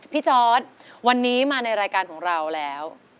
จอร์ดวันนี้มาในรายการของเราแล้ว